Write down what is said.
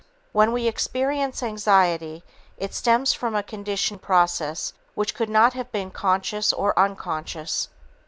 When we experience anxiety, it stems from a conditioning process which could have been conscious or unconscious.